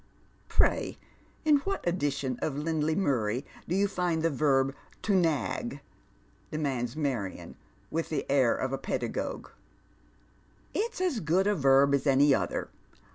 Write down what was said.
" Pray, in what edition of Lindley Murray do you find the verb * to nag ?'" demands Marion, with the air of a pedagogue. " It's as good a verb as any other.